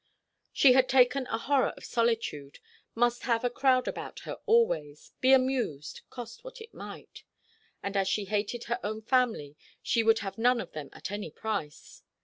She had taken a horror of solitude, must have a crowd about her always, be amused, cost what it might; and as she hated her own family she would have none of them at any price.